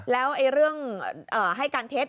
แล้วเรื่องให้การเท็จ